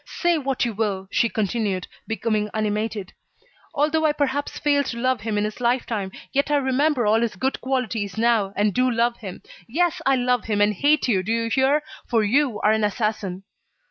"Say what you will," she continued, becoming animated, "although I perhaps failed to love him in his lifetime, yet I remember all his good qualities now, and do love him. Yes, I love him and hate you, do you hear? For you are an assassin."